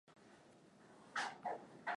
Meza imechafuka sana.